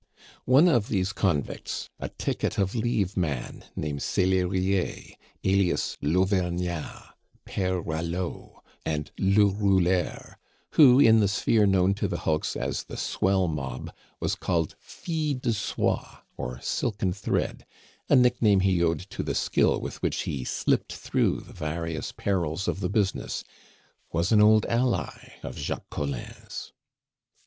One of these convicts, a ticket of leave man, named Selerier, alias l'Avuergnat, Pere Ralleau, and le Rouleur, who in the sphere known to the hulks as the swell mob was called Fil de Soie (or silken thread) a nickname he owed to the skill with which he slipped through the various perils of the business was an old ally of Jacques Collin's.